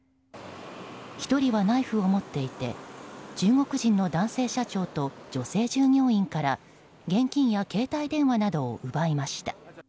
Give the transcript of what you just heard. １人はナイフを持っていて中国人の男性社長と女性従業員から現金や携帯電話などを奪いました。